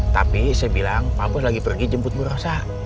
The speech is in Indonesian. tapi saya bilang pak bos lagi pergi jemput bu rosa